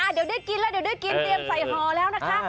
เดี๋ยวได้กินแล้วเดี๋ยวได้กินเตรียมใส่ห่อแล้วนะคะ